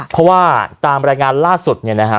เพราะว่าตามรายงานล่าสุด